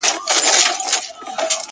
چاته د دار خبري ډيري ښې دي ـ